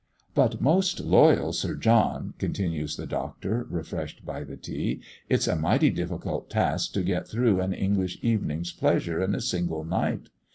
"But, most loyal Sir John," continues the Doctor, refreshed by the tea, "it's a mighty difficult task to get through an English evening's pleasure in a single night.